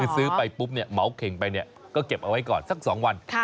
ซื้อไปปุ๊บเหมาเข่งไปก็เก็บเอาไว้ก่อนสัก๒วัน